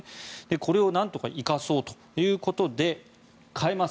これをなんとか生かそうということで変えます。